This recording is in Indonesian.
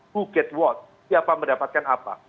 who get what siapa mendapatkan apa